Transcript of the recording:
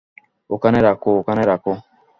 ওখানে রাখো, ওখানে রাখো।